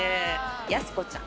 やす子ちゃん。